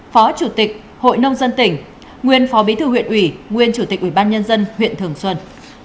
phó chủ tịch hội nông dân tỉnh nguyên phó bí thư huyện ủy nguyên chủ tịch ubnd huyện thường xuân